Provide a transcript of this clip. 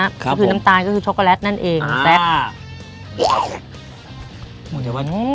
ก็คือน้ำตาลก็คือช็อกโกแลตนั่นเองแซค